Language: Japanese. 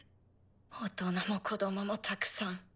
大人も子どももたくさん。